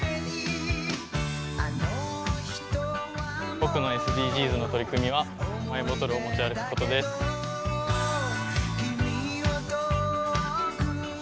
僕のＳＤＧｓの取り組みはマイボトルを持ち歩くことです。